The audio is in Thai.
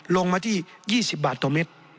ลงมาที่๒๐บาทต่อเม็ด